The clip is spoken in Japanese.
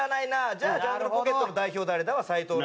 「じゃあジャングルポケットの代表誰だ？」は斉藤なんで。